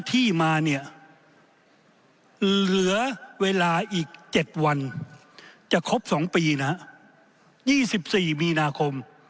ที่มาเนี่ยเหลือเวลาอีก๗วันจะครบ๒ปีนะ๒๔มีนาคม